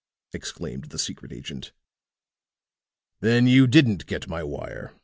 exclaimed the secret agent. "Then you didn't get my wire.